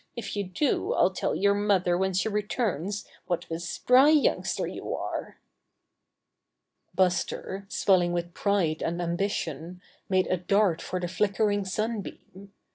If you do I'll tell your mother when she returns what a spry youngster you are." Buster, swelling with pride and ambition, made a dart for the flickering sun beam.